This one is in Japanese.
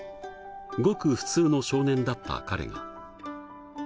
ごく普通の少年だった彼が。